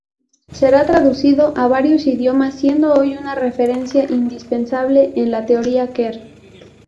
Será traducido a varios idiomas, siendo hoy una referencia indispensable en la teoría queer.